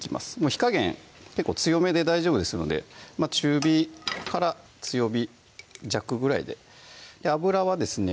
火加減結構強めで大丈夫ですので中火から強火弱ぐらいで油はですね